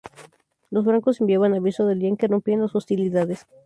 Los francos enviaban aviso del día en que rompían las hostilidades.